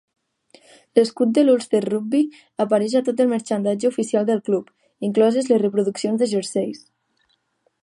L'escut de l'Ulster Rugby apareix a tot el marxandatge oficial del club, incloses reproduccions de jerseis .